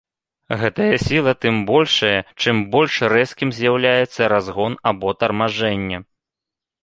Гэтая сіла тым большая, чым больш рэзкім з'яўляецца разгон або тармажэнне.